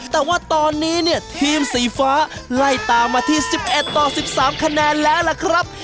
แต่ว่าตอนนี้เนี่ยทีมสีฟ้าไล่ตามมาที่๑๑ต่อ๑๓คะแนนแล้วล่ะครับ